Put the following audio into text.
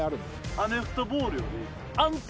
アメフトボールより。